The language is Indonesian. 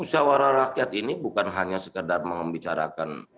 usaha warah rakyat ini bukan hanya sekedar membicarakan